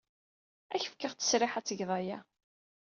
Ad ak-fkeɣ ttesriḥ ad tgeḍ aya.